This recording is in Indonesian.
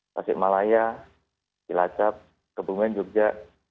pasir malaya jilacap kebungan jogja